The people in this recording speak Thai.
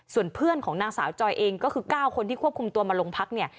ส่วนเพื่อนของนางสาวจอยเองก็คือ๙คนที่ควบคุมตัวมาลงพักเนี่ย